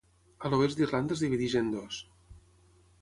A l'oest d'Irlanda es divideix en dos.